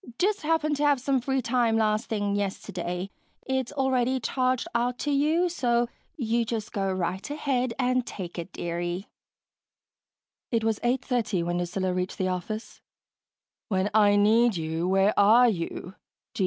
"Just happened to have some free time last thing yesterday. It's already charged out to you, so you just go right ahead and take it, dearie." It was 8:30 when Lucilla reached the office. "When I need you, where are you?"